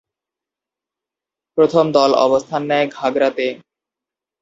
প্রথম দল অবস্থান নেয় ঘাগড়াতে।